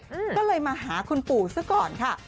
อืมก็เลยมาหาคุณปู่ซะก่อนค่ะ